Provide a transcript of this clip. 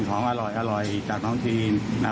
ของอร่อยจากน้องจีน